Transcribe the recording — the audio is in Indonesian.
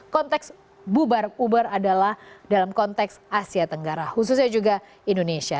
konteks bubar ubar adalah dalam konteks asia tenggara khususnya juga indonesia